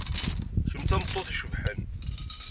Kemm d tameṭṭut icebḥen.